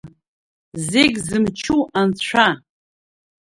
Зегь зымчу анцәа!